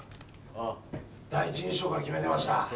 第一印象から決めてました。